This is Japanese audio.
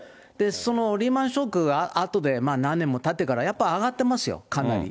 そのリーマンショックのあとで、何年もたってからやっぱり上がってますよ、かなり。